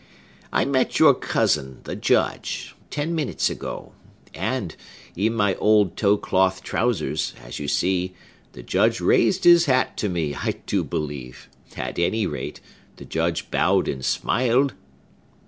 I met your cousin, the Judge, ten minutes ago; and, in my old tow cloth trousers, as you see, the Judge raised his hat to me, I do believe! At any rate, the Judge bowed and smiled!"